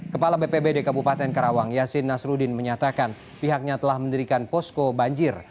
kepala bpbd kabupaten karawang yasin nasruddin menyatakan pihaknya telah mendirikan posko banjir